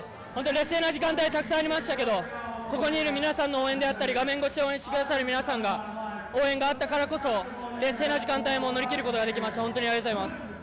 劣勢な時間帯、たくさんありましたけど、ここにいる皆さんの応援であったり、画面越しに応援してくださる皆さんが、応援があったからこそ、劣勢な時間帯も乗り切ることができました。